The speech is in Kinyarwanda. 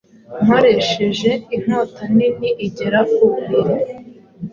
Nkoresheje inkota nini igera ku buriri